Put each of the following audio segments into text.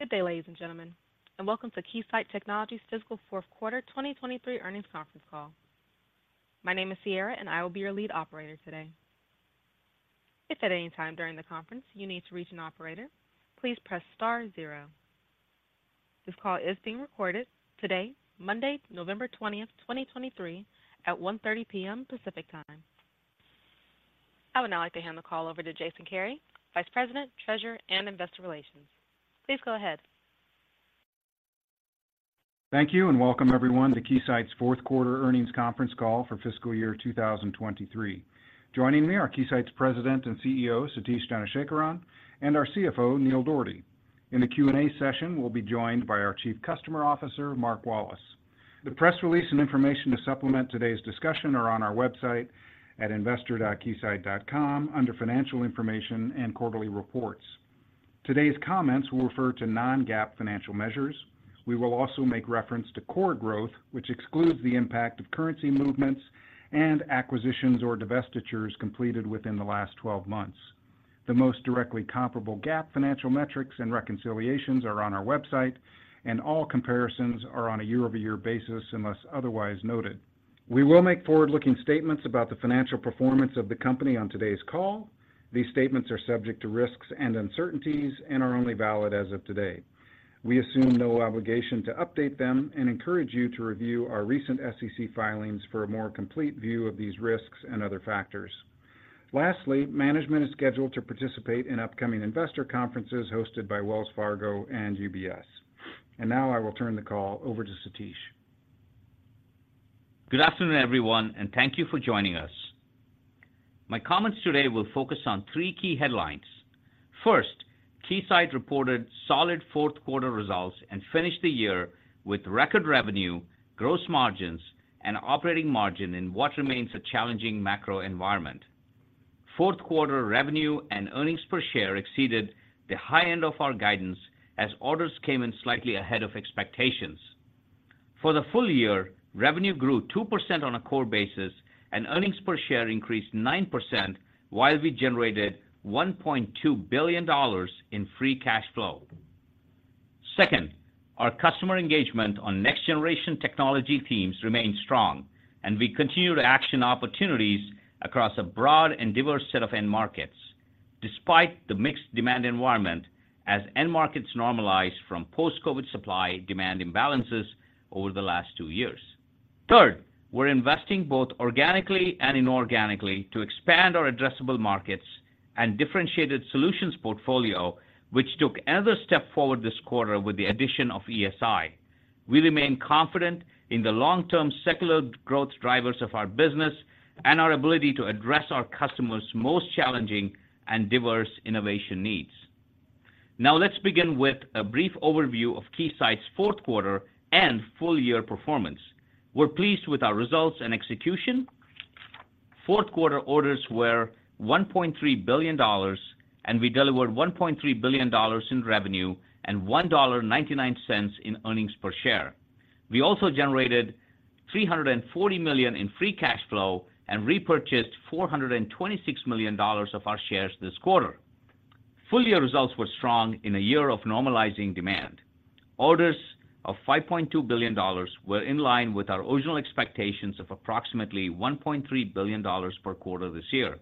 Good day, ladies and gentlemen, and welcome to Keysight Technologies' Fiscal Q4 2023 Earnings Conference Call. My name is Sierra, and I will be your lead operator today. If at any time during the conference you need to reach an operator, please press star zero. This call is being recorded today, Monday, November 20, 2023, at 1:30 PM. Pacific Time. I would now like to hand the call over to Jason Kary, Vice President, Treasurer, and Investor Relations. Please go ahead. Thank you, and welcome everyone to Keysight's Q4 earnings conference call for fiscal year 2023. Joining me are Keysight's President and CEO, Satish Dhanasekaran, and our CFO, Neil Dougherty. In the Q&A session, we'll be joined by our Chief Customer Officer, Mark Wallace. The press release and information to supplement today's discussion are on our website at investor.keysight.com under Financial Information and Quarterly Reports. Today's comments will refer to non-GAAP financial measures. We will also make reference to core growth, which excludes the impact of currency movements and acquisitions or divestitures completed within the last 12 months. The most directly comparable GAAP financial metrics and reconciliations are on our website, and all comparisons are on a year-over-year basis unless otherwise noted. We will make forward-looking statements about the financial performance of the company on today's call. These statements are subject to risks and uncertainties and are only valid as of today. We assume no obligation to update them and encourage you to review our recent SEC filings for a more complete view of these risks and other factors. Lastly, management is scheduled to participate in upcoming investor conferences hosted by Wells Fargo and UBS. And now I will turn the call over to Satish. Good afternoon, everyone, and thank you for joining us. My comments today will focus on three key headlines. First, Keysight reported solid Q4 results and finished the year with record revenue, gross margins, and operating margin in what remains a challenging macro environment. Q4 revenue and earnings per share exceeded the high end of our guidance as orders came in slightly ahead of expectations. For the full year, revenue grew 2% on a core basis, and earnings per share increased 9%, while we generated $1.2 billion in free cash flow. Second, our customer engagement on next-generation technology themes remains strong, and we continue to action opportunities across a broad and diverse set of end markets, despite the mixed demand environment as end markets normalize from post-COVID supply-demand imbalances over the last two years. Third, we're investing both organically and inorganically to expand our addressable markets and differentiated solutions portfolio, which took another step forward this quarter with the addition of ESI. We remain confident in the long-term secular growth drivers of our business and our ability to address our customers' most challenging and diverse innovation needs. Now, let's begin with a brief overview of Keysight's Q4 and full-year performance. We're pleased with our results and execution. Q4 orders were $1.3 billion, and we delivered $1.3 billion in revenue and $1.99 in earnings per share. We also generated $340 million in free cash flow and repurchased $426 million of our shares this quarter. Full year results were strong in a year of normalizing demand. Orders of $5.2 billion were in line with our original expectations of approximately $1.3 billion per quarter this year.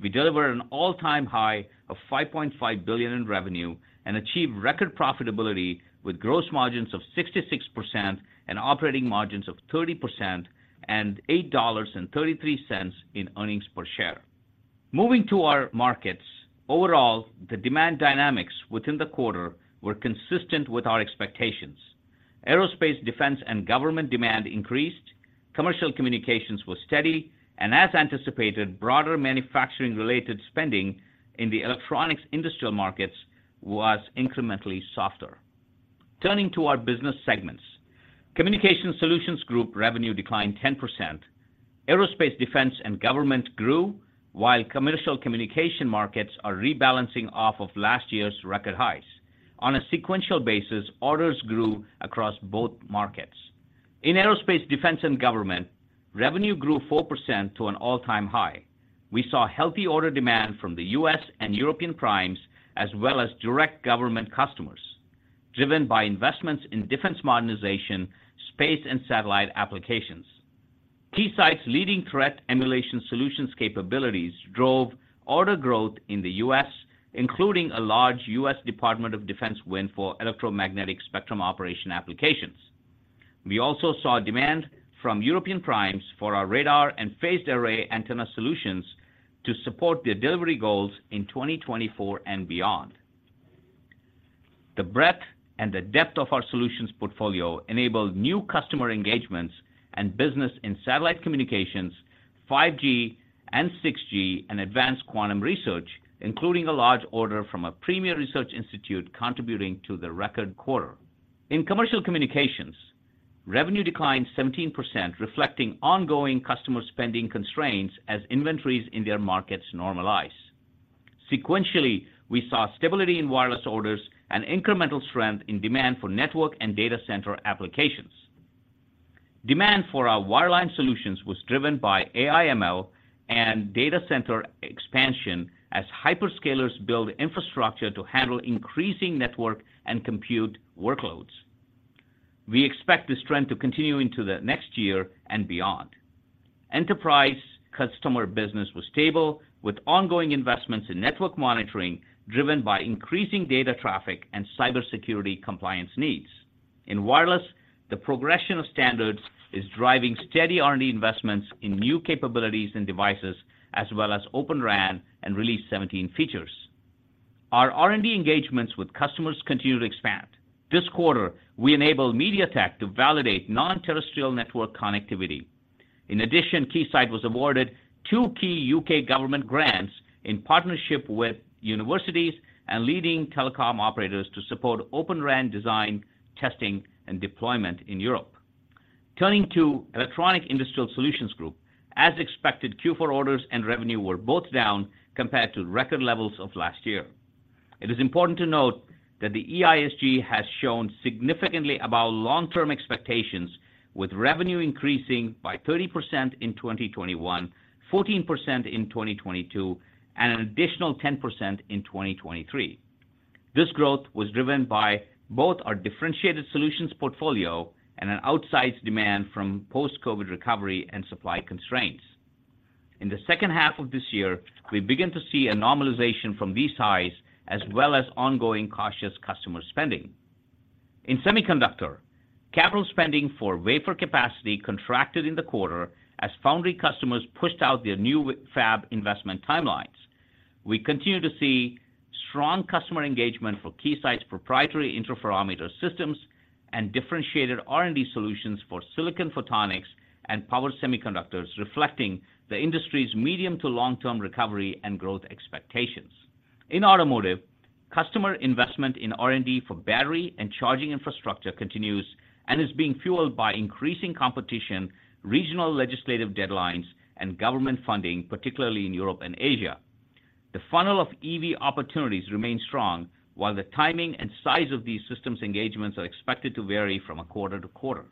We delivered an all-time high of $5.5 billion in revenue and achieved record profitability, with gross margins of 66% and operating margins of 30% and $8.33 in earnings per share. Moving to our markets. Overall, the demand dynamics within the quarter were consistent with our expectations. Aerospace, defense, and government demand increased, commercial communications was steady, and as anticipated, broader manufacturing-related spending in the electronics industrial markets was incrementally softer. Turning to our business segments. Communications Solutions Group revenue declined 10%. Aerospace, defense, and government grew, while commercial communications markets are rebalancing off of last year's record highs. On a sequential basis, orders grew across both markets. In aerospace, defense, and government, revenue grew 4% to an all-time high. We saw healthy order demand from the U.S. and European primes, as well as direct government customers, driven by investments in defense modernization, space and satellite applications. Keysight's leading threat emulation solutions capabilities drove order growth in the U.S., including a large U.S. Department of Defense win for electromagnetic spectrum operation applications. We also saw demand from European primes for our radar and phased array antenna solutions to support their delivery goals in 2024 and beyond. The breadth and the depth of our solutions portfolio enabled new customer engagements and business in satellite communications, 5G and 6G, and advanced quantum research, including a large order from a premier research institute contributing to the record quarter. In commercial communications, revenue declined 17%, reflecting ongoing customer spending constraints as inventories in their markets normalize. Sequentially, we saw stability in wireless orders and incremental strength in demand for network and data center applications. Demand for our wireline solutions was driven by AI/ML and data center expansion as hyperscalers build infrastructure to handle increasing network and compute workloads. We expect this trend to continue into the next year and beyond. Enterprise customer business was stable, with ongoing investments in network monitoring, driven by increasing data traffic and cybersecurity compliance needs. In wireless, the progression of standards is driving steady R&D investments in new capabilities and devices, as well as Open RAN and Release 17 features. Our R&D engagements with customers continue to expand. This quarter, we enabled MediaTek to validate non-terrestrial network connectivity. In addition, Keysight was awarded two key U.K. government grants in partnership with universities and leading telecom operators to support Open RAN design, testing, and deployment in Europe. Turning to Electronic Industrial Solutions Group, as expected, Q4 orders and revenue were both down compared to record levels of last year. It is important to note that the EISG has shown significantly above long-term expectations, with revenue increasing by 30% in 2021, 14% in 2022, and an additional 10% in 2023. This growth was driven by both our differentiated solutions portfolio and an outsized demand from post-COVID recovery and supply constraints. In the second half of this year, we began to see a normalization from these highs, as well as ongoing cautious customer spending. In semiconductor, capital spending for wafer capacity contracted in the quarter as foundry customers pushed out their new fab investment timelines. We continue to see strong customer engagement for Keysight's proprietary interferometer systems and differentiated R&D solutions for Silicon Photonics and power semiconductors, reflecting the industry's medium to long-term recovery and growth expectations. In automotive, customer investment in R&D for battery and charging infrastructure continues and is being fueled by increasing competition, regional legislative deadlines, and government funding, particularly in Europe and Asia. The funnel of EV opportunities remains strong, while the timing and size of these systems engagements are expected to vary from a quarter to quarter.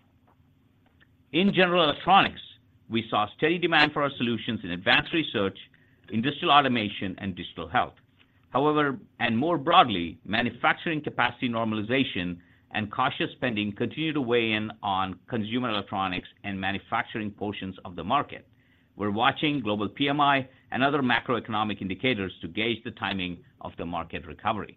In general electronics, we saw steady demand for our solutions in advanced research, industrial automation, and digital health. However, and more broadly, manufacturing capacity normalization and cautious spending continue to weigh in on consumer electronics and manufacturing portions of the market. We're watching global PMI and other macroeconomic indicators to gauge the timing of the market recovery.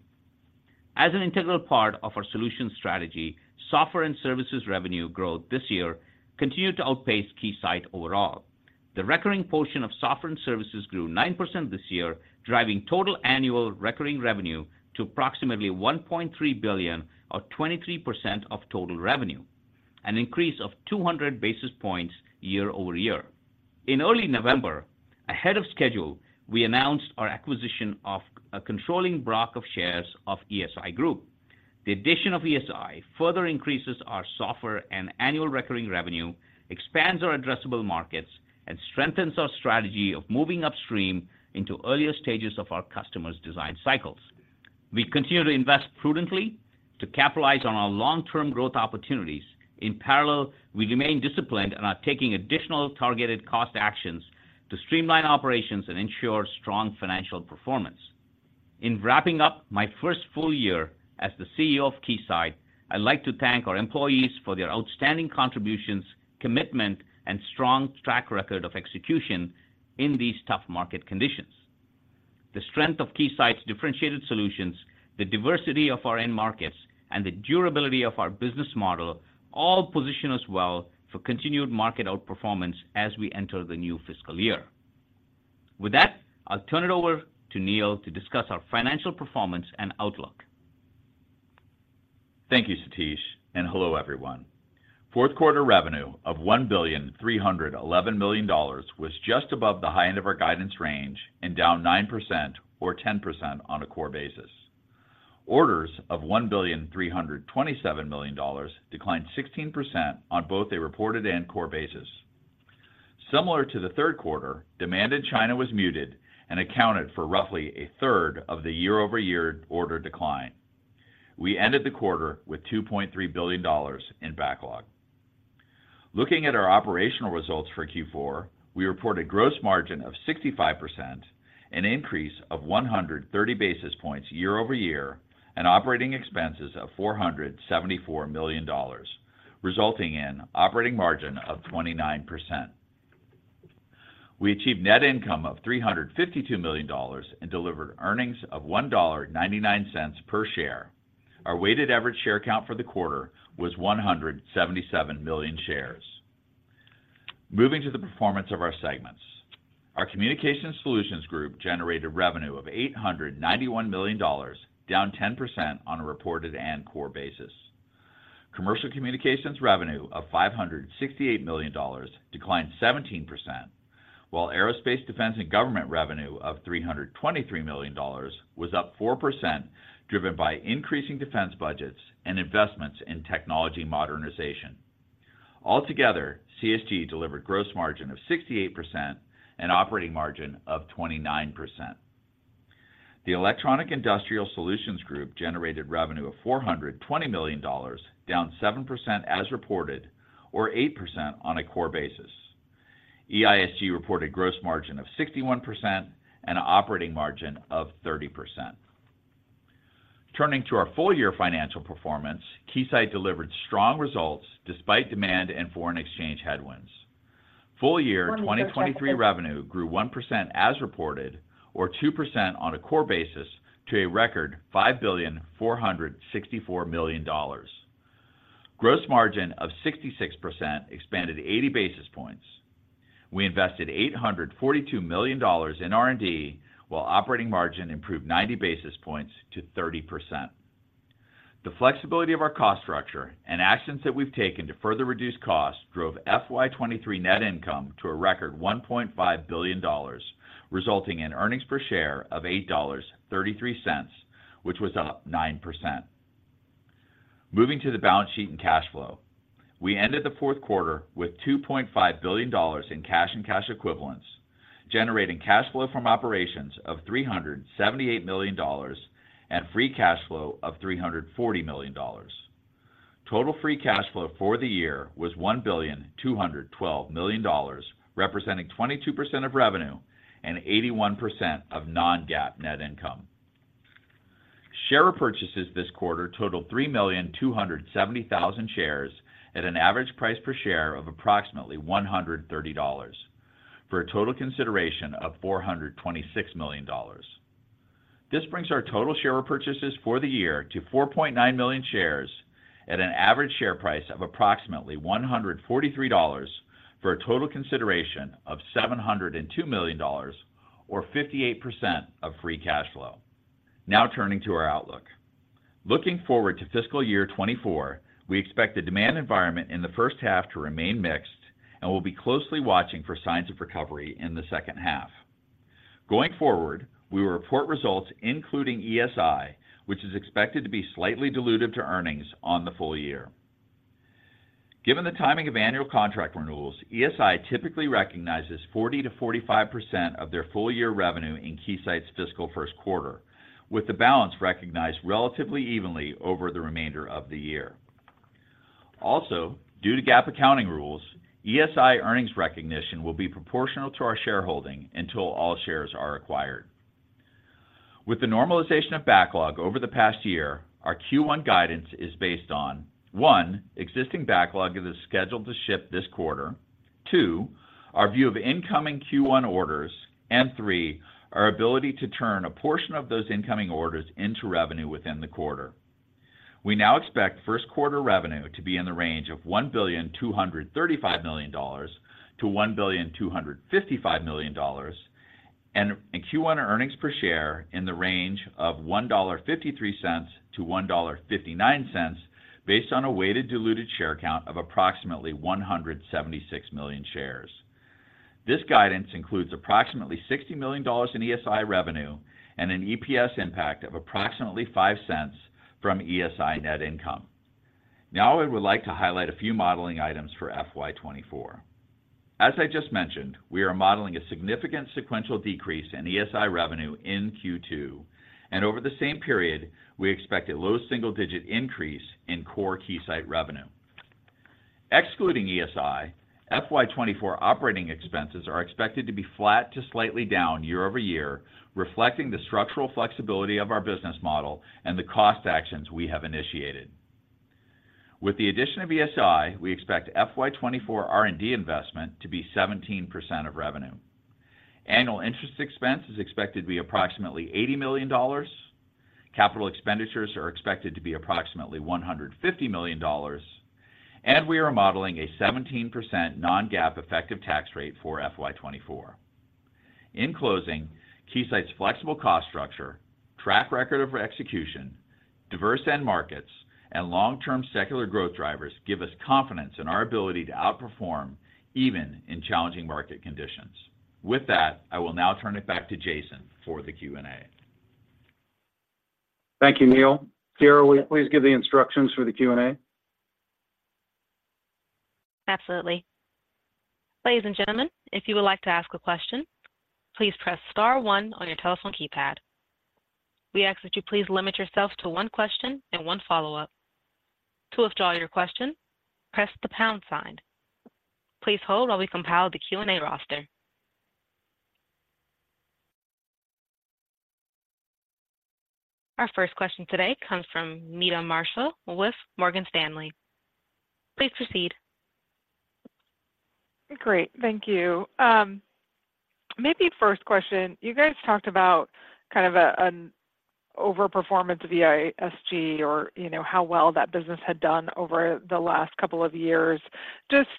As an integral part of our solution strategy, software and services revenue growth this year continued to outpace Keysight overall. The recurring portion of software and services grew 9% this year, driving total annual recurring revenue to approximately $1.3 billion or 23% of total revenue, an increase of 200 basis points year-over-year. In early November, ahead of schedule, we announced our acquisition of a controlling block of shares of ESI Group. The addition of ESI further increases our software and annual recurring revenue, expands our addressable markets, and strengthens our strategy of moving upstream into earlier stages of our customers' design cycles. We continue to invest prudently to capitalize on our long-term growth opportunities. In parallel, we remain disciplined and are taking additional targeted cost actions to streamline operations and ensure strong financial performance. In wrapping up my first full year as the CEO of Keysight, I'd like to thank our employees for their outstanding contributions, commitment, and strong track record of execution in these tough market conditions. The strength of Keysight's differentiated solutions, the diversity of our end markets, and the durability of our business model all position us well for continued market outperformance as we enter the new fiscal year. With that, I'll turn it over to Neil to discuss our financial performance and outlook. Thank you, Satish, and hello, everyone. Q4 revenue of $1.311 billion was just above the high end of our guidance range and down 9% or 10% on a core basis. Orders of $1.327 billion declined 16% on both a reported and core basis. Similar to the Q3, demand in China was muted and accounted for roughly a third of the year-over-year order decline. We ended the quarter with $2.3 billion in backlog. Looking at our operational results for Q4, we reported gross margin of 65%, an increase of 130 basis points year-over-year, and operating expenses of $474 million, resulting in operating margin of 29%. We achieved net income of $352 million and delivered earnings of $1.99 per share. Our weighted average share count for the quarter was 177 million shares. Moving to the performance of our segments. Our Communications Solutions Group generated revenue of $891 million, down 10% on a reported and core basis. Commercial communications revenue of $568 million declined 17%, while aerospace, defense, and government revenue of $323 million was up 4%, driven by increasing defense budgets and investments in technology modernization. Altogether, CSG delivered gross margin of 68% and operating margin of 29%. The Electronic Industrial Solutions Group generated revenue of $420 million, down 7% as reported, or 8% on a core basis. EISG reported gross margin of 61% and operating margin of 30%. Turning to our full-year financial performance, Keysight delivered strong results despite demand and foreign exchange headwinds. Full year- One second.... 2023 revenue grew 1% as reported, or 2% on a core basis, to a record $5.464 billion. Gross margin of 66% expanded 80 basis points. We invested $842 million in R&D, while operating margin improved 90 basis points to 30%. The flexibility of our cost structure and actions that we've taken to further reduce costs drove FY 2023 net income to a record $1.5 billion, resulting in earnings per share of $8.33, which was up 9%. Moving to the balance sheet and cash flow. We ended the Q4 with $2.5 billion in cash and cash equivalents, generating cash flow from operations of $378 million, and free cash flow of $340 million. Total free cash flow for the year was $1.212 billion, representing 22% of revenue and 81% of non-GAAP net income. Share repurchases this quarter totaled 3,270,000 shares at an average price per share of approximately $130 for a total consideration of $426 million. This brings our total share repurchases for the year to 4.9 million shares at an average share price of approximately $143, for a total consideration of $702 million, or 58% of free cash flow. Now, turning to our outlook. Looking forward to fiscal year 2024, we expect the demand environment in the first half to remain mixed, and we'll be closely watching for signs of recovery in the second half. Going forward, we will report results, including ESI, which is expected to be slightly dilutive to earnings on the full year. Given the timing of annual contract renewals, ESI typically recognizes 40%-45% of their full-year revenue in Keysight's fiscal Q1, with the balance recognized relatively evenly over the remainder of the year. Also, due to GAAP accounting rules, ESI earnings recognition will be proportional to our shareholding until all shares are acquired. With the normalization of backlog over the past year, our Q1 guidance is based on one, existing backlog that is scheduled to ship this quarter. Two, our view of incoming Q1 orders. And three, our ability to turn a portion of those incoming orders into revenue within the quarter. We now expect Q1 revenue to be in the range of $1.235 billion-$1.255 billion, and Q1 earnings per share in the range of $1.53-$1.59, based on a weighted diluted share count of approximately 176 million shares. This guidance includes approximately $60 million in ESI revenue and an EPS impact of approximately $0.05 from ESI net income. Now, I would like to highlight a few modeling items for FY 2024. As I just mentioned, we are modeling a significant sequential decrease in ESI revenue in Q2, and over the same period, we expect a low single-digit increase in core Keysight revenue. Excluding ESI, FY 2024 operating expenses are expected to be flat to slightly down year-over-year, reflecting the structural flexibility of our business model and the cost actions we have initiated. With the addition of ESI, we expect FY 2024 R&D investment to be 17% of revenue. Annual interest expense is expected to be approximately $80 million. Capital expenditures are expected to be approximately $150 million, and we are modeling a 17% non-GAAP effective tax rate for FY 2024. In closing, Keysight's flexible cost structure, track record of execution, diverse end markets, and long-term secular growth drivers give us confidence in our ability to outperform even in challenging market conditions. With that, I will now turn it back to Jason for the Q&A. Thank you, Neil. Sierra, will you please give the instructions for the Q&A? Absolutely. Ladies and gentlemen, if you would like to ask a question, please press star one on your telephone keypad. We ask that you please limit yourself to one question and one follow-up. To withdraw your question, press the pound sign. Please hold while we compile the Q&A roster. Our first question today comes from Meta Marshall with Morgan Stanley. Please proceed. Great. Thank you. Maybe first question, you guys talked about kind of an overperformance of the EISG or, you know, how well that business had done over the last couple of years. Just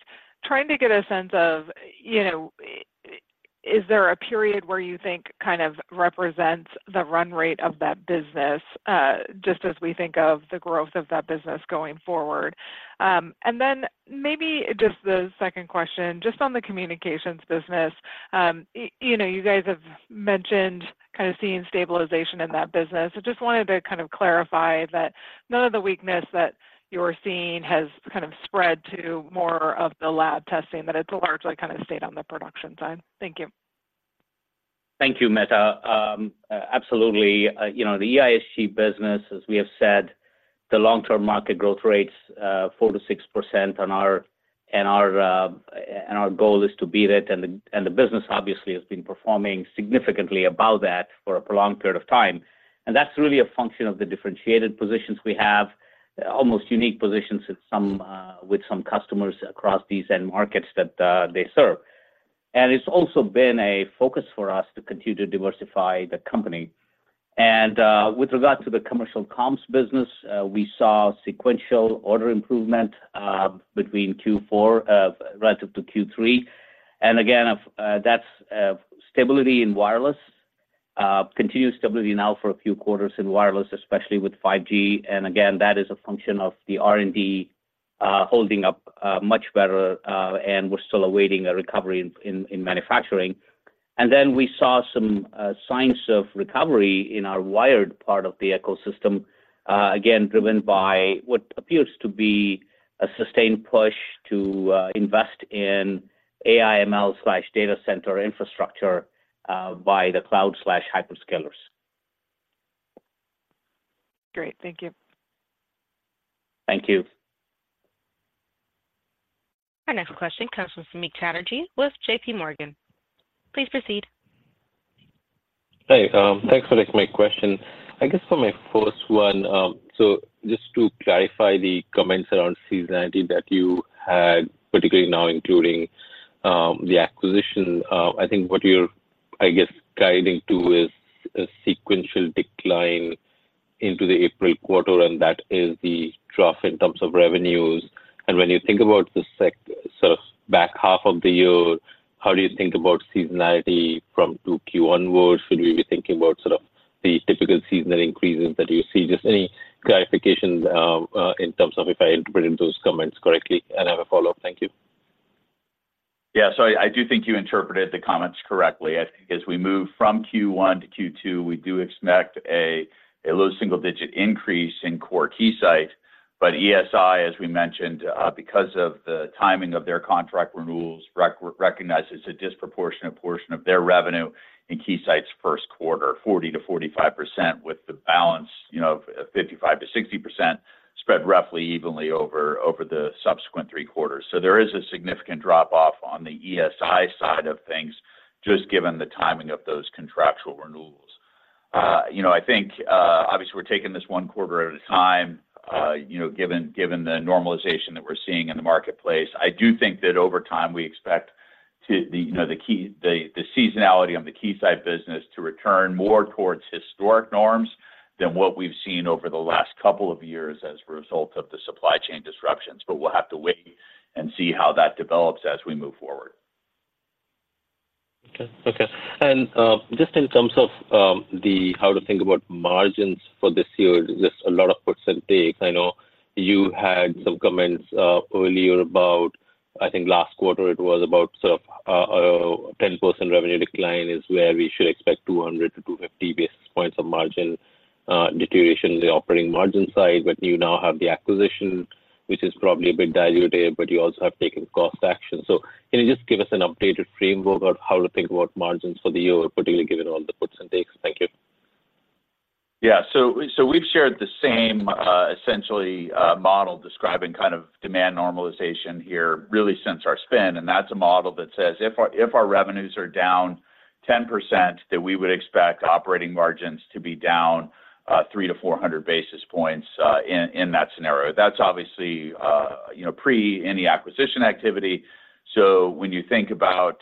trying to get a sense of, you know, is there a period where you think kind of represents the run rate of that business, just as we think of the growth of that business going forward? And then maybe just the second question, just on the communications business, you know, you guys have mentioned kind of seeing stabilization in that business. So just wanted to kind of clarify that none of the weakness that you're seeing has kind of spread to more of the lab testing, that it's largely kind of stayed on the production side. Thank you. Thank you, Meta. Absolutely, you know, the EISG business, as we have said, the long-term market growth rates, 4%-6%, and our goal is to beat it, and the business obviously has been performing significantly above that for a prolonged period of time. And that's really a function of the differentiated positions we have, almost unique positions with some customers across these end markets that they serve. And it's also been a focus for us to continue to diversify the company. And with regard to the commercial comms business, we saw sequential order improvement between Q4 relative to Q3. And again, that's stability in wireless, continuous stability now for a few quarters in wireless, especially with 5G. And again, that is a function of the R&D holding up much better, and we're still awaiting a recovery in manufacturing. And then we saw some signs of recovery in our wired part of the ecosystem, again, driven by what appears to be a sustained push to invest in AI/ML data center infrastructure by the cloud/hyperscalers. Great. Thank you. Thank you. Our next question comes from Samik Chatterjee with JPMorgan. Please proceed. Hey, thanks for taking my question. I guess for my first one, so just to clarify the comments around seasonality that you had, particularly now including the acquisition, I think what you're, I guess, guiding to is a sequential decline into the April quarter, and that is the trough in terms of revenues. And when you think about the sort of back half of the year, how do you think about seasonality from Q1 forward? Should we be thinking about sort of the typical seasonal increases that you see? Just any clarifications in terms of if I interpreted those comments correctly, and I have a follow-up. Thank you. Yeah. So I do think you interpreted the comments correctly. I think as we move from Q1 to Q2, we do expect a low single-digit increase in core Keysight, but EISG, as we mentioned, because of the timing of their contract renewals, recognizes a disproportionate portion of their revenue in Keysight's Q1, 40%-45%, with the balance, you know, 55%-60% spread roughly evenly over the subsequent three quarters. So there is a significant drop-off on the EISG side of things, just given the timing of those contractual renewals. You know, I think, obviously, we're taking this one quarter at a time, you know, given the normalization that we're seeing in the marketplace. I do think that over time, we expect, you know, the seasonality of the Keysight business to return more towards historic norms than what we've seen over the last couple of years as a result of the supply chain disruptions. But we'll have to wait and see how that develops as we move forward. Okay. And, just in terms of the how to think about margins for this year, just a lot of puts and takes. I know you had some comments earlier about, I think last quarter, it was about sort of a 10% revenue decline is where we should expect 200-250 basis points of margin deterioration in the operating margin side. But you now have the acquisition, which is probably a bit dilutive, but you also have taken cost action. So can you just give us an updated framework on how to think about margins for the year, particularly given all the puts and takes? Thank you. Yeah. So we've shared the same essentially model describing kind of demand normalization here, really since our spin, and that's a model that says, if our revenues are down 10%, that we would expect operating margins to be down 300-400 basis points in that scenario. That's obviously you know pre any acquisition activity. So when you think about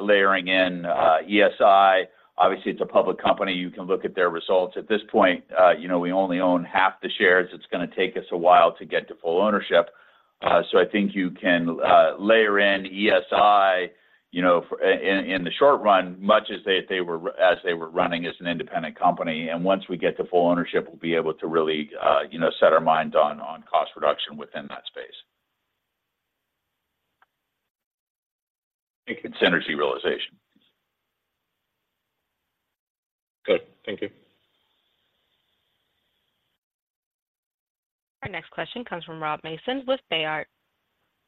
layering in ESI, obviously it's a public company, you can look at their results. At this point you know we only own half the shares. It's going to take us a while to get to full ownership. So I think you can layer in ESI you know for in the short run, much as they were running as an independent company. Once we get to full ownership, we'll be able to really, you know, set our minds on cost reduction within that space. Synergy realization. Good. Thank you. Our next question comes from Rob Mason with Baird.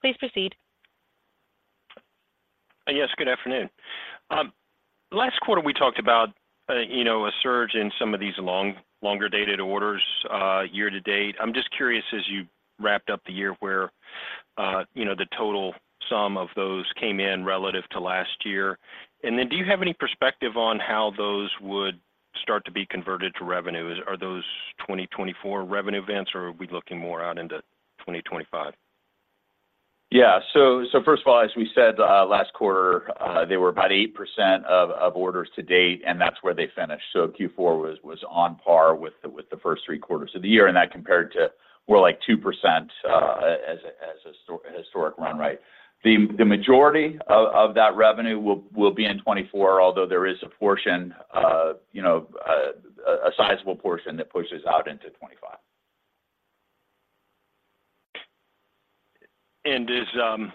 Please proceed. Yes, good afternoon. Last quarter, we talked about, you know, a surge in some of these longer-dated orders, year-to-date. I'm just curious, as you wrapped up the year, where, you know, the total sum of those came in relative to last year. And then do you have any perspective on how those would start to be converted to revenue? Are those 2024 revenue events, or are we looking more out into 2025? Yeah. So, first of all, as we said last quarter, they were about 8% of orders to date, and that's where they finished. So Q4 was on par with the first three quarters of the year, and that compared to more like 2% as a historic run, right? The majority of that revenue will be in 2024, although there is a portion, you know, a sizable portion that pushes out into 2025.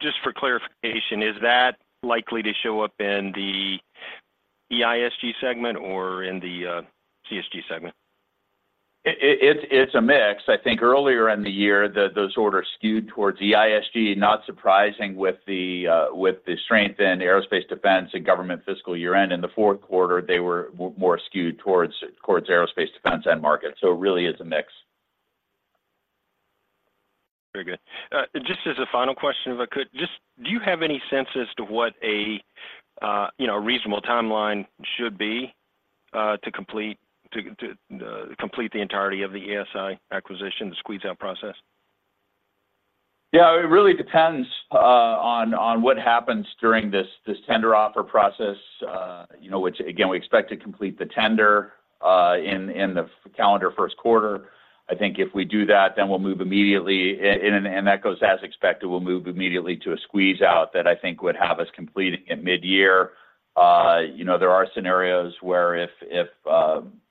Just for clarification, is that likely to show up in the EISG segment or in the CSG segment?... It's a mix. I think earlier in the year, those orders skewed towards EISG, not surprising with the strength in aerospace, defense, and government fiscal year-end. In the Q4, they were more skewed towards aerospace, defense, and market, so it really is a mix. Very good. Just as a final question, if I could, just do you have any sense as to what a, you know, reasonable timeline should be, to complete the entirety of the ESI acquisition, the squeeze-out process? Yeah, it really depends on what happens during this tender offer process, you know, which again, we expect to complete the tender in the calendar Q1. I think if we do that, then we'll move immediately, and that goes as expected, we'll move immediately to a squeeze-out that I think would have us completing at mid-year. You know, there are scenarios where if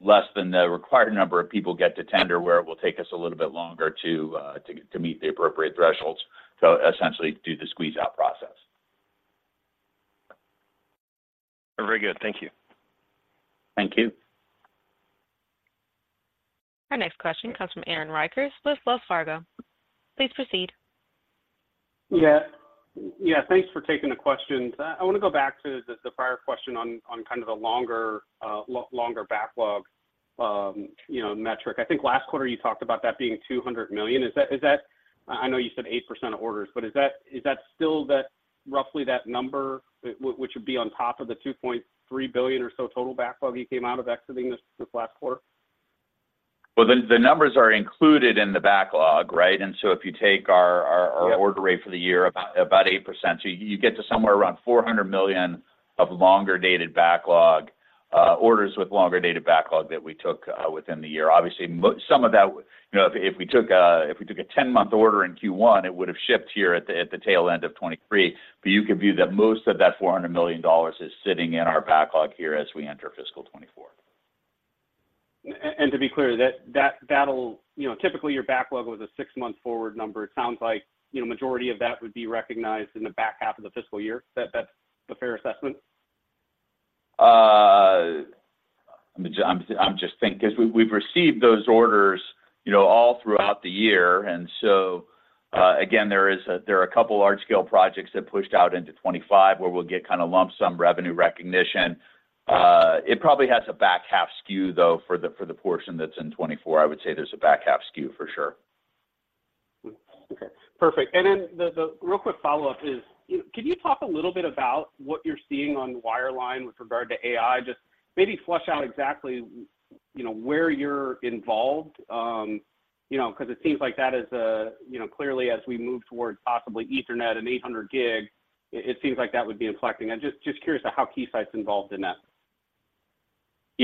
less than the required number of people get to tender, where it will take us a little bit longer to meet the appropriate thresholds to essentially do the squeeze-out process. Very good. Thank you. Thank you. Our next question comes from Aaron Rakers with Wells Fargo. Please proceed. Yeah. Yeah, thanks for taking the questions. I want to go back to the prior question on kind of the longer backlog, you know, metric. I think last quarter you talked about that being $200 million. Is that, I know you said 8% of orders, but is that, is that still that roughly that number, which would be on top of the $2.3 billion or so total backlog you came out of exiting this last quarter? Well, the numbers are included in the backlog, right? And so if you take our- Yeah... order rate for the year, about, about 8%. So you get to somewhere around $400 million of longer dated backlog, orders with longer dated backlog that we took within the year. Obviously, some of that, you know, if, if we took a, if we took a 10-mon.th order in Q1, it would have shipped here at the, at the tail end of 2023. But you could view that most of that $400 million dollars is sitting in our backlog here as we enter fiscal 2024. And to be clear, that that'll, you know, typically your backlog was a six-month forward number. It sounds like, you know, majority of that would be recognized in the back half of the fiscal year. That's a fair assessment? I'm just thinking, because we've received those orders, you know, all throughout the year. And so, again, there are a couple large-scale projects that pushed out into 2025, where we'll get kind of lump sum revenue recognition. It probably has a back half skew, though, for the, for the portion that's in 2024. I would say there's a back half skew for sure. Okay, perfect. And then the real quick follow-up is, you know, can you talk a little bit about what you're seeing on wireline with regard to AI? Just maybe flesh out exactly, you know, where you're involved. You know, because it seems like that is a, you know, clearly as we move towards possibly Ethernet and 800G, it seems like that would be inflecting. I'm just curious to how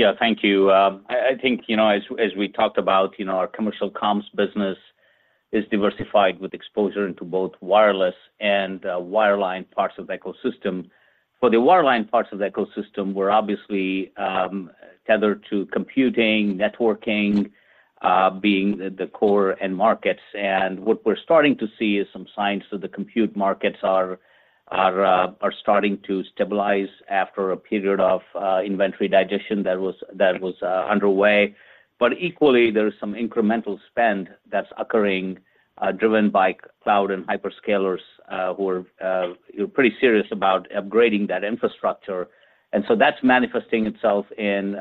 Keysight's involved in that. Yeah, thank you. I think, you know, as we talked about, you know, our commercial comms business is diversified with exposure into both wireless and wireline parts of the ecosystem. For the wireline parts of the ecosystem, we're obviously tethered to computing, networking being the core end markets. And what we're starting to see is some signs that the compute markets are starting to stabilize after a period of inventory digestion that was underway. But equally, there is some incremental spend that's occurring driven by cloud and hyperscalers who are pretty serious about upgrading that infrastructure. And so that's manifesting itself in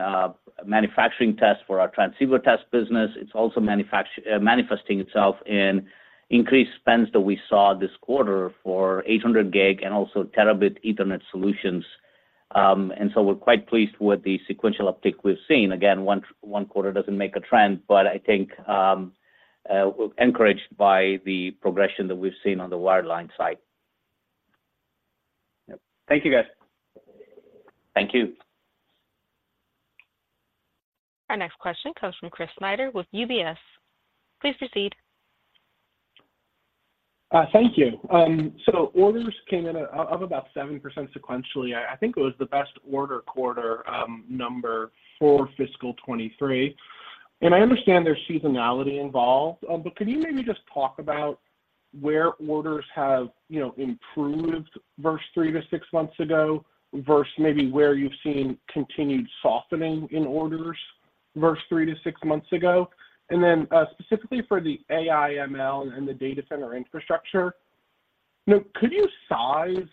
manufacturing tests for our transceiver test business. It's also manifesting itself in increased spends that we saw this quarter for 800 gig and also terabit Ethernet solutions. And so we're quite pleased with the sequential uptick we've seen. Again, one quarter doesn't make a trend, but I think we're encouraged by the progression that we've seen on the wireline side. Yep. Thank you, guys. Thank you. Our next question comes from Chris Snyder with UBS. Please proceed. Thank you. Orders came in at about 7% sequentially. I think it was the best order quarter number for fiscal 2023. I understand there's seasonality involved, but could you maybe just talk about where orders have, you know, improved versus three to six months ago, versus maybe where you've seen continued softening in orders versus three to six months ago? Then, specifically for the AI/ML, and the data center infrastructure, you know, could you size,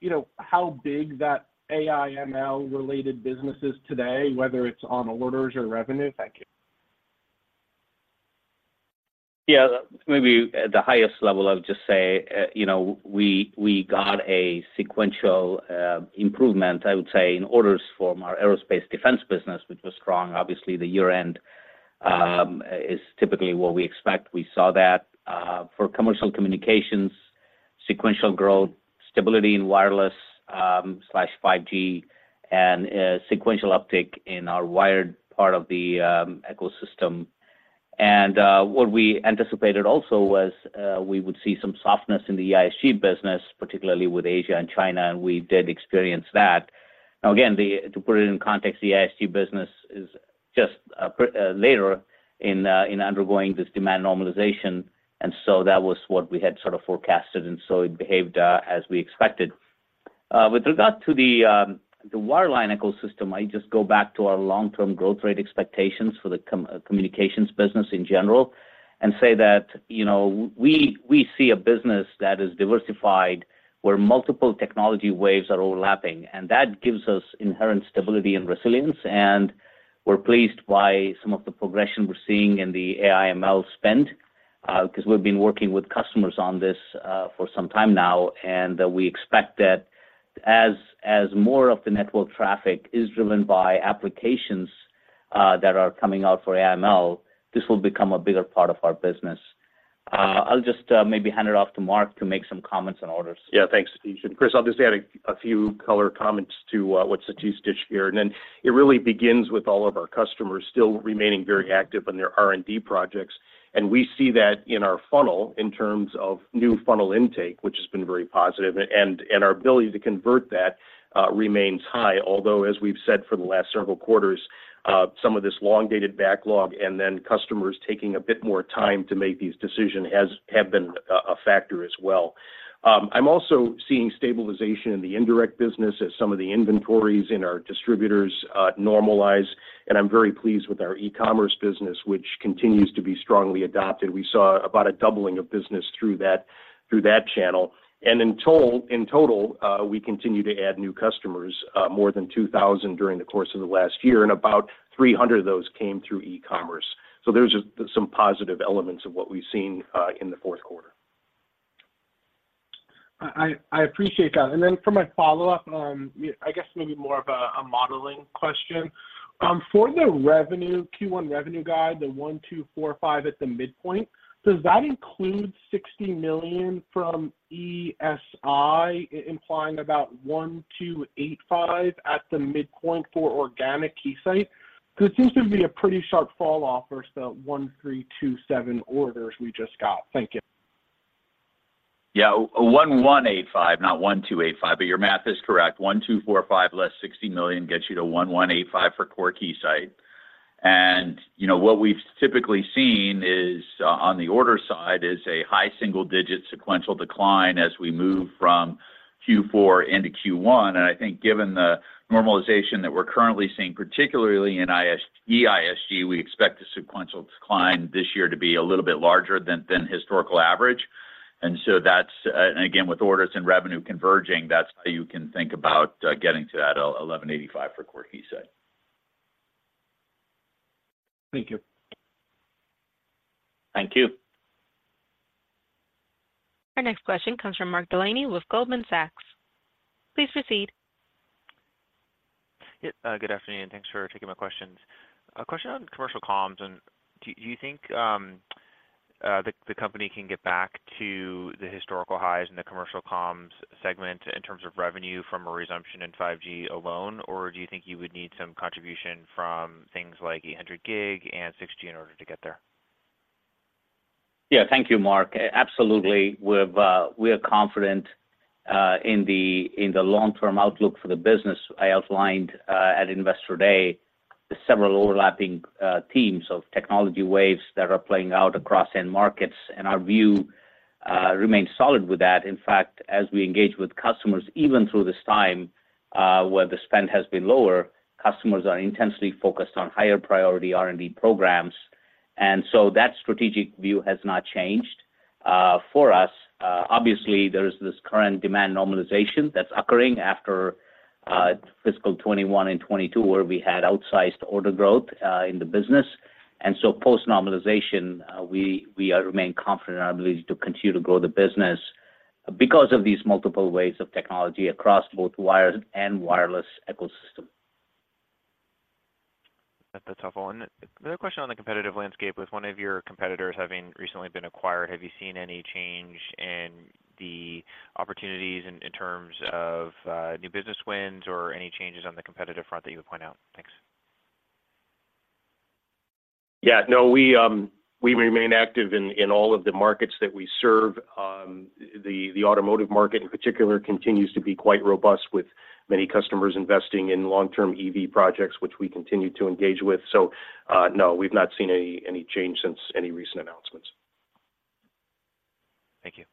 you know, how big that AI/ML-related business is today, whether it's on orders or revenue? Thank you. Yeah, maybe at the highest level, I would just say, you know, we got a sequential improvement, I would say, in orders from our aerospace defense business, which was strong. Obviously, the year-end is typically what we expect. We saw that for commercial communications, sequential growth, stability in wireless slash 5G, and a sequential uptick in our wired part of the ecosystem. And what we anticipated also was we would see some softness in the EISG business, particularly with Asia and China, and we did experience that. Now, again, to put it in context, the EISG business is just later in undergoing this demand normalization, and so that was what we had sort of forecasted, and so it behaved as we expected. With regard to the wireline ecosystem, I just go back to our long-term growth rate expectations for the communications business in general, and say that, you know, we see a business that is diversified, where multiple technology waves are overlapping. And that gives us inherent stability and resilience, and we're pleased by some of the progression we're seeing in the AI/ML spend, because we've been working with customers on this for some time now. And we expect that as more of the network traffic is driven by applications that are coming out for AI/ML, this will become a bigger part of our business. I'll just maybe hand it off to Mark to make some comments on orders. Yeah, thanks, Neil. And Chris, I'll just add a few color comments to what Satish said here. And then it really begins with all of our customers still remaining very active in their R&D projects, and we see that in our funnel in terms of new funnel intake, which has been very positive, and our ability to convert that remains high. Although, as we've said for the last several quarters, some of this long-dated backlog and then customers taking a bit more time to make these decisions have been a factor as well. I'm also seeing stabilization in the indirect business as some of the inventories in our distributors normalize, and I'm very pleased with our e-commerce business, which continues to be strongly adopted. We saw about a doubling of business through that channel, and in total, we continue to add new customers, more than 2,000 during the course of the last year, and about 300 of those came through e-commerce. So there's just some positive elements of what we've seen, in the Q4. I appreciate that. And then for my follow-up, I guess maybe more of a modeling question. For the revenue, Q1 revenue guide, the $1,245 at the midpoint, does that include $60 million from ESI, implying about $1,285 at the midpoint for organic Keysight? Because it seems to be a pretty sharp fall-off versus the $1,327 orders we just got. Thank you. Yeah, 1,185, not 1,285, but your math is correct. 1,245, less $60 million, gets you to 1,185 for core Keysight. And, you know, what we've typically seen is, on the order side, is a high single-digit sequential decline as we move from Q4 into Q1. And I think given the normalization that we're currently seeing, particularly in EISG, we expect the sequential decline this year to be a little bit larger than historical average. And so that's, and again, with orders and revenue converging, that's how you can think about getting to that 1,185 for core Keysight. Thank you. Thank you. Our next question comes from Mark Delaney with Goldman Sachs. Please proceed. Yeah, good afternoon, and thanks for taking my questions. A question on commercial comms, and do you think the company can get back to the historical highs in the commercial comms segment in terms of revenue from a resumption in 5G alone? Or do you think you would need some contribution from things like 800 gig and 6G in order to get there? Yeah. Thank you, Mark. Absolutely, we are confident in the long-term outlook for the business. I outlined at Investor Day the several overlapping themes of technology waves that are playing out across end markets, and our view remains solid with that. In fact, as we engage with customers, even through this time where the spend has been lower, customers are intensely focused on higher priority R&D programs, and so that strategic view has not changed for us. Obviously, there's this current demand normalization that's occurring after fiscal 2021 and 2022, where we had outsized order growth in the business. And so post-normalization, we remain confident in our ability to continue to grow the business because of these multiple waves of technology across both wired and wireless ecosystem. That's a tough one. Another question on the competitive landscape, with one of your competitors having recently been acquired, have you seen any change in the opportunities in terms of new business wins or any changes on the competitive front that you would point out? Thanks. Yeah. No, we remain active in all of the markets that we serve. The automotive market, in particular, continues to be quite robust, with many customers investing in long-term EV projects, which we continue to engage with. So, no, we've not seen any change since any recent announcements. Thank you.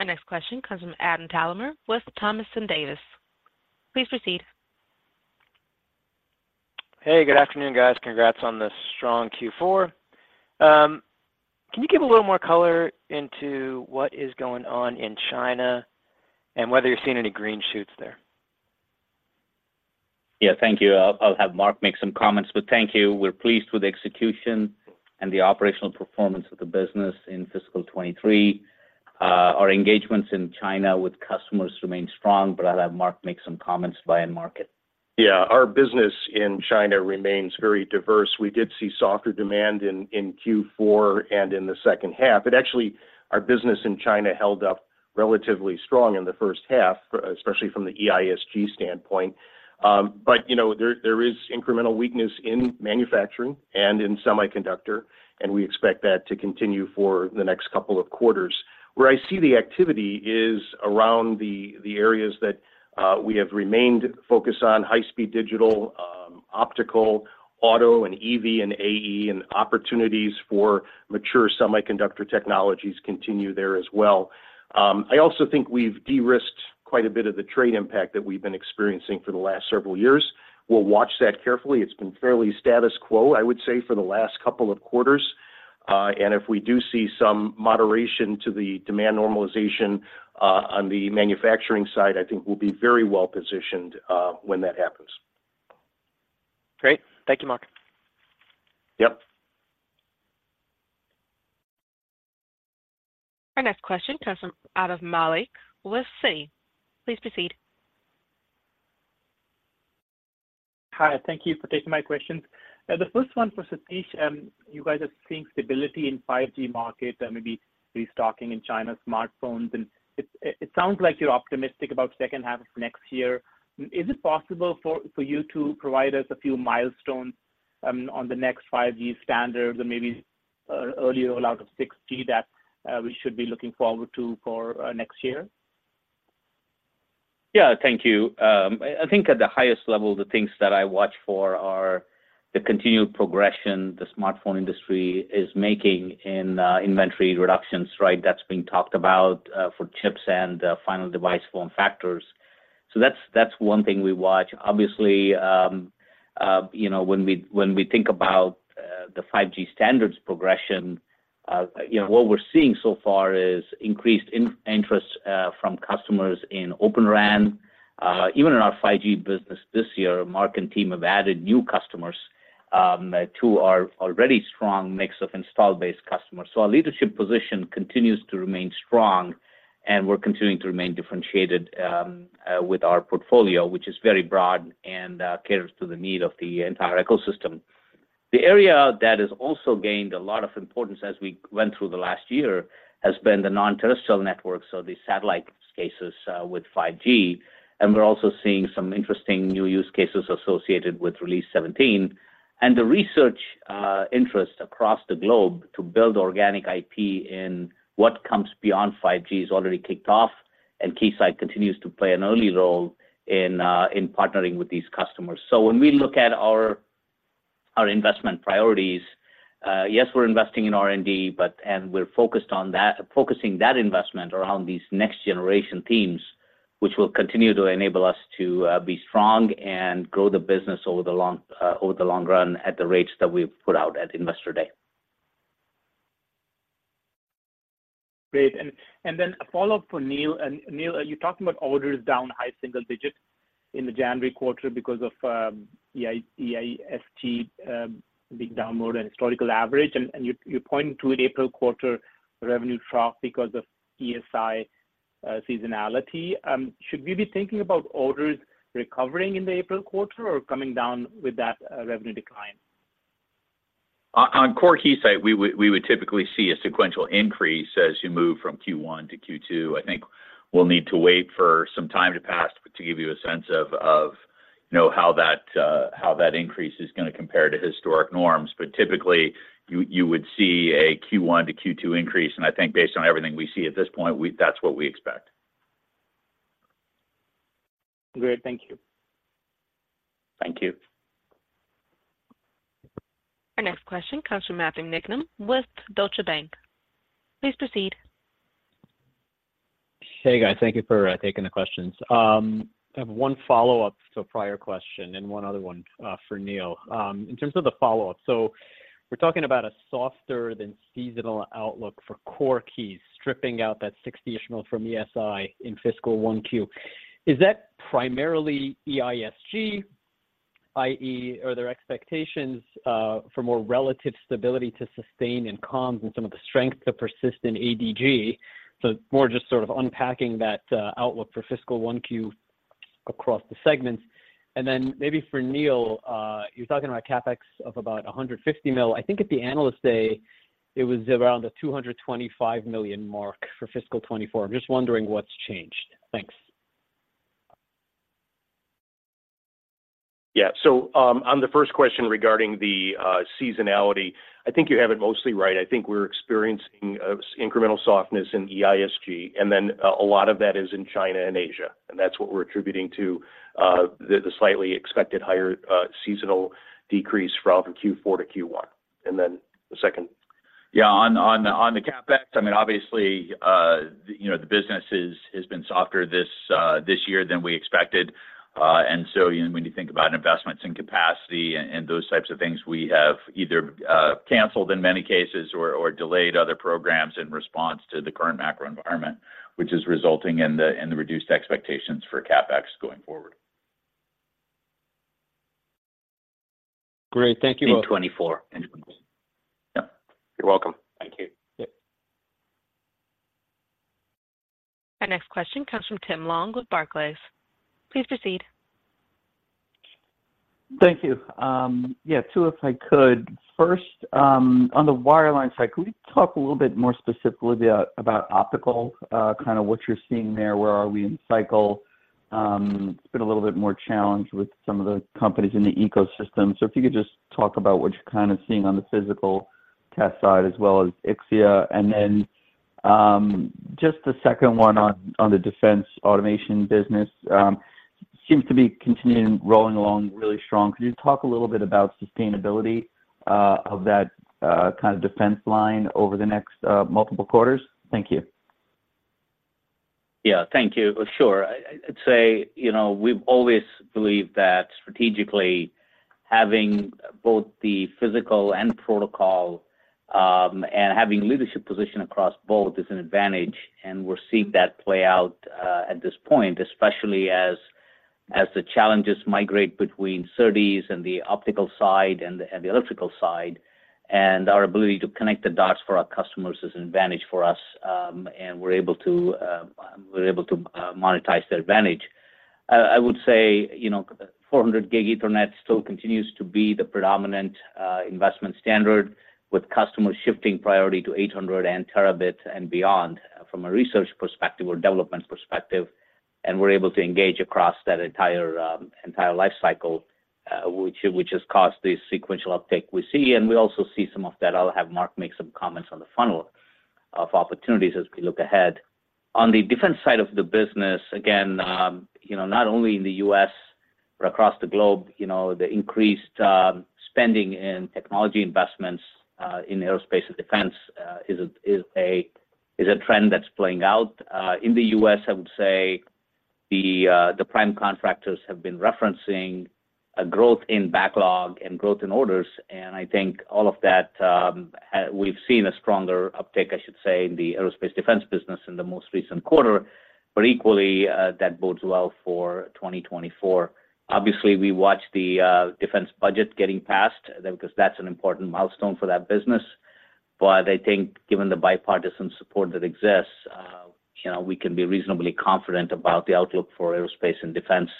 Our next question comes from Adam Thalhimer with Thompson Davis. Please proceed. Hey, good afternoon, guys. Congrats on the strong Q4. Can you give a little more color into what is going on in China and whether you're seeing any green shoots there? Yeah. Thank you. I'll have Mark make some comments, but thank you. We're pleased with the execution and the operational performance of the business in fiscal 2023. Our engagements in China with customers remain strong, but I'll have Mark make some comments by end market. Yeah. Our business in China remains very diverse. We did see softer demand in Q4 and in the second half, but actually our business in China held up relatively strong in the first half, especially from the EISG standpoint. But you know, there is incremental weakness in manufacturing and in semiconductor, and we expect that to continue for the next couple of quarters. Where I see the activity is around the areas that we have remained focused on: high-speed digital, optical, auto, and EV, and AE, and opportunities for mature semiconductor technologies continue there as well. I also think we've de-risked quite a bit of the trade impact that we've been experiencing for the last several years. We'll watch that carefully. It's been fairly status quo, I would say, for the last couple of quarters. If we do see some moderation to the demand normalization, on the manufacturing side, I think we'll be very well positioned, when that happens. Great. Thank you, Mark. Yep. Our next question comes from Atif Malik with Citi. Please proceed. Hi, thank you for taking my questions. The first one for Satish. You guys are seeing stability in 5G market and maybe restocking in China, smartphones, and it sounds like you're optimistic about second half of next year. Is it possible for you to provide us a few milestones on the next 5G standards and maybe early rollout of 6G that we should be looking forward to for next year? Yeah, thank you. I think at the highest level, the things that I watch for are the continued progression the smartphone industry is making in inventory reductions, right? That's being talked about for chips and final device form factors. So that's one thing we watch. Obviously, you know, when we think about the 5G standards progression, you know, what we're seeing so far is increased interest from customers in Open RAN. Even in our 5G business this year, Mark and team have added new customers to our already strong mix of installed base customers. So our leadership position continues to remain strong, and we're continuing to remain differentiated with our portfolio, which is very broad and caters to the need of the entire ecosystem. The area that has also gained a lot of importance as we went through the last year, has been the non-terrestrial network, so the satellite cases with 5G, and we're also seeing some interesting new use cases associated with Release 17. And the research interest across the globe to build organic IP in what comes beyond 5G is already kicked off, and Keysight continues to play an early role in partnering with these customers. So when we look at our investment priorities, yes, we're investing in R&D, but and we're focused on that focusing that investment around these next generation themes, which will continue to enable us to be strong and grow the business over the long run at the rates that we've put out at Investor Day. Great. Then a follow-up for Neil. Neil, are you talking about orders down high single digits in the January quarter because of EISG being down more than historical average, and you're pointing to an April quarter revenue trough because of EISG seasonality. Should we be thinking about orders recovering in the April quarter or coming down with that revenue decline? On core Keysight, we would typically see a sequential increase as you move from Q1 to Q2. I think we'll need to wait for some time to pass to give you a sense of you know, how that increase is gonna compare to historic norms. But typically, you would see a Q1 to Q2 increase, and I think based on everything we see at this point, that's what we expect. Great. Thank you. Thank you. Our next question comes from Matthew Nicknam with Deutsche Bank. Please proceed. Hey, guys. Thank you for taking the questions. I have one follow-up to a prior question and one other one for Neil. In terms of the follow-up, so we're talking about a softer than seasonal outlook for core Keys, stripping out that $60 million additional from ESI in fiscal 1Q. Is that primarily EISG, i.e., are there expectations for more relative stability to sustain in comms and some of the strength to persist in ADG? So more just sort of unpacking that outlook for fiscal 1Q across the segments. And then maybe for Neil, you're talking about CapEx of about $150 million. I think at the Analyst Day, it was around the $225 million mark for fiscal 2024. I'm just wondering what's changed. Thanks. Yeah. So, on the first question regarding the seasonality, I think you have it mostly right. I think we're experiencing incremental softness in EISG, and then a lot of that is in China and Asia, and that's what we're attributing to the slightly expected higher seasonal decrease from Q4 to Q1. And then the second? Yeah, on the CapEx, I mean, obviously, you know, the business has been softer this year than we expected. And so, you know, when you think about investments in capacity and those types of things, we have either canceled in many cases or delayed other programs in response to the current macro environment, which is resulting in the reduced expectations for CapEx going forward. Great. Thank you both. In 2024. Yep. You're welcome. Thank you. Yep. Our next question comes from Tim Long with Barclays. Please proceed. Thank you. Yeah, two, if I could. First, on the wireline side, could we talk a little bit more specifically about optical, kind of what you're seeing there? Where are we in cycle? It's been a little bit more challenged with some of the companies in the ecosystem. So if you could just talk about what you're kind of seeing on the physical test side, as well as Ixia. And then just the second one on the defense automation business, seems to be continuing, rolling along really strong. Could you talk a little bit about sustainability of that kind of defense line over the next multiple quarters? Thank you. Yeah. Thank you. Sure. I'd say, you know, we've always believed that strategically, having both the physical and protocol, and having leadership position across both is an advantage, and we're seeing that play out at this point, especially as the challenges migrate between SerDes and the optical side and the electrical side. And our ability to connect the dots for our customers is an advantage for us, and we're able to monetize that advantage. I would say, you know, 400 Gig Ethernet still continues to be the predominant investment standard, with customers shifting priority to 800 and terabit and beyond from a research perspective or development perspective, and we're able to engage across that entire life cycle, which has caused the sequential uptake we see, and we also see some of that. I'll have Mark make some comments on the funnel of opportunities as we look ahead. On the defense side of the business, again, you know, not only in the U.S. but across the globe, you know, the increased spending in technology investments in aerospace and defense is a trend that's playing out. In the U.S., I would say the, the prime contractors have been referencing a growth in backlog and growth in orders, and I think all of that, we've seen a stronger uptick, I should say, in the aerospace defense business in the most recent quarter, but equally, that bodes well for 2024. Obviously, we watch the, defense budget getting passed, because that's an important milestone for that business. But I think given the bipartisan support that exists, you know, we can be reasonably confident about the outlook for aerospace and defense,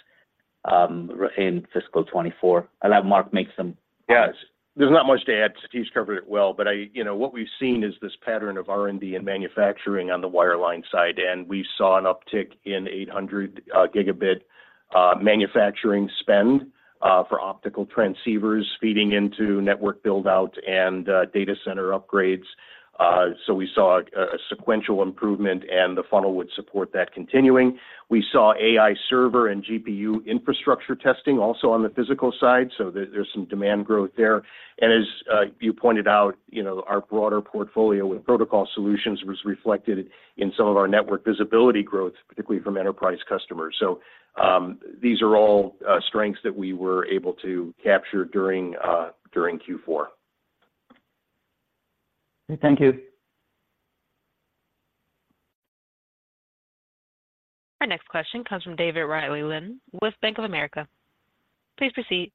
in fiscal 2024. I'll have Mark make some comments. Yes. There's not much to add. Satish covered it well, but you know, what we've seen is this pattern of R&D and manufacturing on the wireline side, and we saw an uptick in 800 gigabit manufacturing spend for optical transceivers feeding into network build-out and data center upgrades. So we saw a sequential improvement, and the funnel would support that continuing. We saw AI server and GPU infrastructure testing also on the physical side, so there's some demand growth there. And as you pointed out, you know, our broader portfolio with protocol solutions was reflected in some of our network visibility growth, particularly from enterprise customers. So these are all strengths that we were able to capture during Q4. Thank you. Our next question comes from David Ridley-Lane with Bank of America. Please proceed.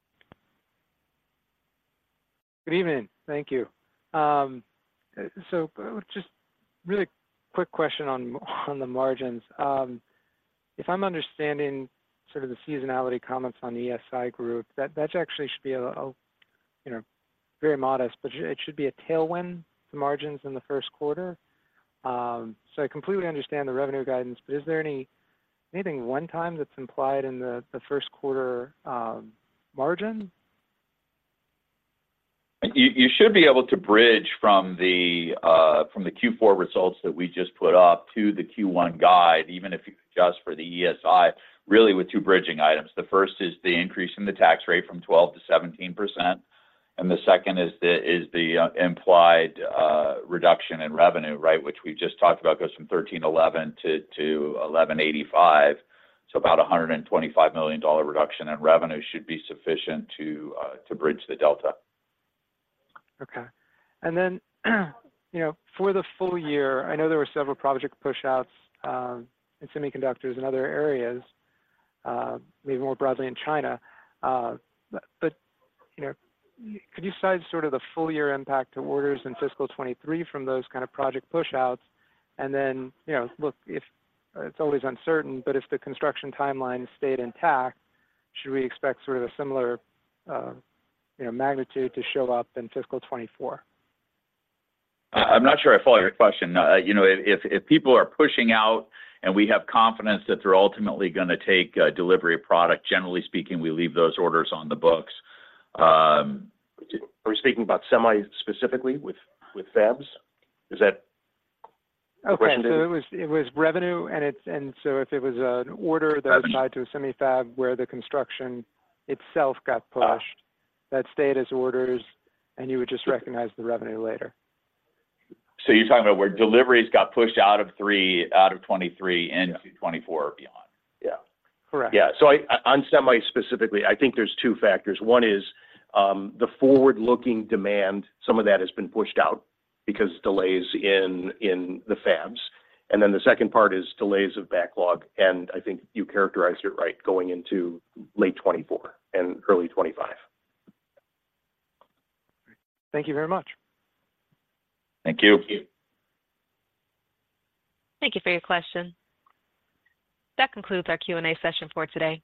Good evening. Thank you. So just really quick question on the margins. If I'm understanding sort of the seasonality comments on the EISG, that actually should be a you know very modest, but it should be a tailwind to margins in the Q1. So I completely understand the revenue guidance, but is there anything one time that's implied in the Q1 margin? You, you should be able to bridge from the Q4 results that we just put up to the Q1 guide, even if just for the ESI, really with two bridging items. The first is the increase in the tax rate from 12% to 17%, and the second is the implied reduction in revenue, right? Which we just talked about, goes from 1,311 to 1,185, so about $125 million reduction in revenue should be sufficient to bridge the delta. Okay. And then, you know, for the full year, I know there were several project pushouts in semiconductors and other areas, maybe more broadly in China. But, you know, could you size sort of the full year impact to orders in fiscal 2023 from those kind of project pushouts, and then, you know, look, if it's always uncertain, but if the construction timeline stayed intact, should we expect sort of a similar, you know, magnitude to show up in fiscal 2024? I'm not sure I follow your question. You know, if people are pushing out and we have confidence that they're ultimately gonna take delivery of product, generally speaking, we leave those orders on the books. Are we speaking about semis specifically with, with fabs? Is that the question? Okay, so it was revenue, and it's, and so if it was an order that applied to a semi fab where the construction itself got pushed, that stayed as orders, and you would just recognize the revenue later. So you're talking about where deliveries got pushed out of 2023 into 2024 or beyond. Yeah, correct. Yeah, so on semi specifically, I think there's two factors. One is the forward-looking demand. Some of that has been pushed out because delays in the fabs. And then the second part is delays of backlog, and I think you characterized it right, going into late 2024 and early 2025. Thank you very much. Thank you. Thank you. Thank you for your question. That concludes our Q&A session for today.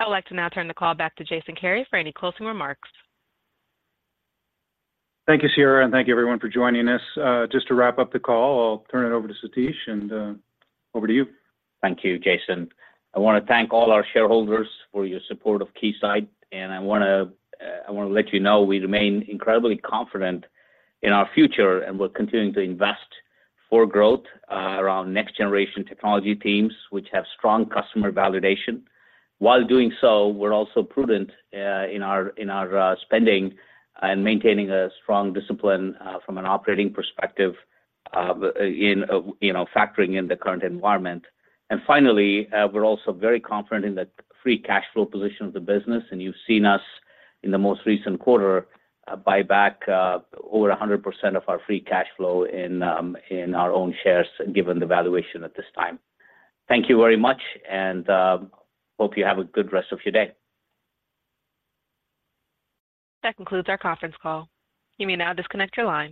I would like to now turn the call back to Jason Kary for any closing remarks. Thank you, Sierra, and thank you everyone for joining us. Just to wrap up the call, I'll turn it over to Satish, and over to you. Thank you, Jason. I want to thank all our shareholders for your support of Keysight, and I wanna, I wanna let you know we remain incredibly confident in our future, and we're continuing to invest for growth, around next generation technology teams, which have strong customer validation. While doing so, we're also prudent, in our, in our, spending and maintaining a strong discipline, from an operating perspective, in, you know, factoring in the current environment. And finally, we're also very confident in the free cash flow position of the business, and you've seen us, in the most recent quarter, buy back, over 100% of our free cash flow in, in our own shares, given the valuation at this time. Thank you very much, and, hope you have a good rest of your day. That concludes our conference call. You may now disconnect your line.